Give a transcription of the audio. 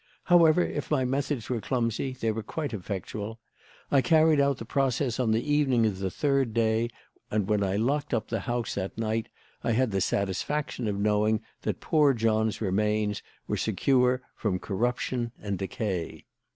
However, if my methods were clumsy, they were quite effectual. I carried out the process on the evening of the third day; and when I locked up the house that night, I had the satisfaction of knowing that poor John's remains were secure from corruption and decay.